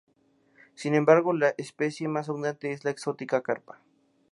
Sin embargo, la especie más abundante es la exótica carpa.